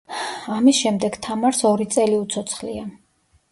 ამის შემდეგ თამარს ორი წელი უცოცხლია.